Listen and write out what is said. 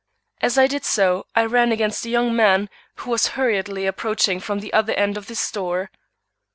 As I did so I ran against a young man who was hurriedly approaching from the other end of the store.